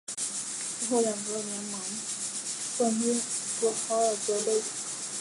最后两个联盟冠军夺考尔德杯。